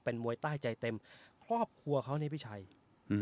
มวยใต้ใจเต็มครอบครัวเขานี่พี่ชัยอืม